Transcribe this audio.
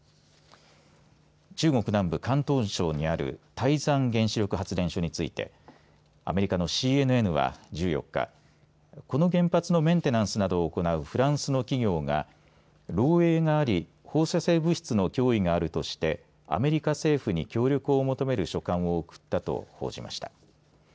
中国南部、広東省にある台山原子力発電所についてアメリカのＣＮＮは１４日この原発のメンテナンスなどを行うフランスの企業が漏えいがあり放射性物質の脅威があるとしてアメリカ政府に協力を求める書簡を送ったと報じました。